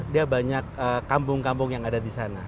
dia banyak kampung kampung yang ada di sana